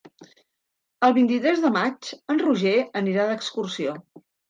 El vint-i-tres de maig en Roger anirà d'excursió.